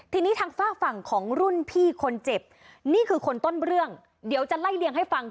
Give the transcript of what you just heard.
ทีนี้ทางฝากฝั่งของรุ่นพี่คนเจ็บนี่คือคนต้นเรื่องเดี๋ยวจะไล่เลี่ยงให้ฟัง